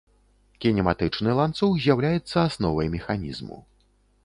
Кінематычны ланцуг з'яўляецца асновай механізму.